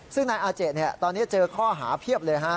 ซึ่งนายอาเจตอนนี้เจอข้อหาเพียบเลยฮะ